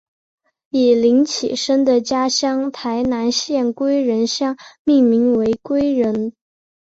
以林启生的家乡台南县归仁乡命名为归仁。